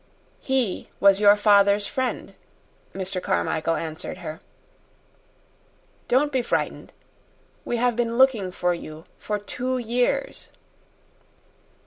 "He was your father's friend," Mr. Carmichael answered her. "Don't be frightened. We have been looking for you for two years."